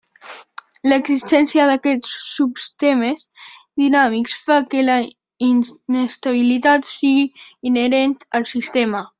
L'existència d'aquests subsistemes dinàmics fa que la inestabilitat sigui inherent al sistema.